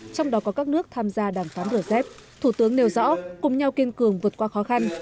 trong đó có các nước tham gia đàm phán rcep thủ tướng nêu rõ cùng nhau kiên cường vượt qua khó khăn